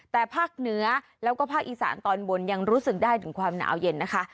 แต่ภาคเหนือแล้วก็ภาคอีสานตอนบนยังรู้สึกได้ถึงความหนาวเย็นนะคะ